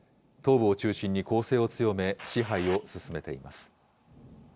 東部を中心に攻勢を強め、支配を進めています。